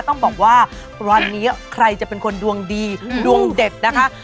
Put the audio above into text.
ต้องบอกว่าวันนี้ใครจะเป็นคนดวงดีดวงเด็ดนะคะ